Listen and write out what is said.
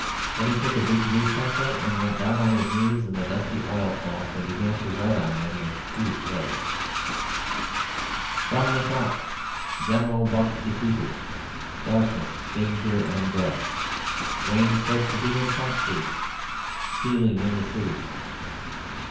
Then he took a big blue pencil, and went down on his knees on the dusty oil cloth and began to write on them, in huge letters "FROM THE FRONT. GENERAL BUCK DEFEATED. DARKNESS, DANGER, AND DEATH. WAYNE SAID TO BE IN PUMP STREET. FEELING IN THE CITY."